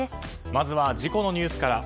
まずは事故のニュースから。